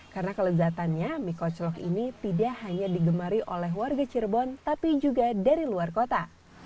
karena kelezatannya mie koclok ini tidak hanya digemari oleh warga cirebon tapi juga dari luar kota